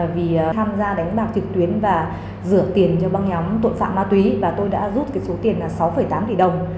vì tham gia đánh bạc trực tuyến và rửa tiền cho băng nhóm tội phạm ma túy và tôi đã rút cái số tiền là sáu tám tỷ đồng